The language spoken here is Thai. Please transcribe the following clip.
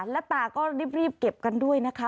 แล้วตาก็รีบเก็บกันด้วยนะคะ